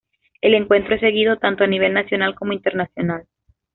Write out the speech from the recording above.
El encuentro es seguido tanto a nivel nacional, como internacional.